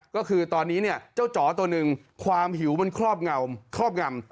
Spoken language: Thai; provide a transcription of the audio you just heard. ก็คือตอนนี้เนี่ยเจ้าจ๋อตัวหนึ่งความหิวมันครอบเงาครอบงำ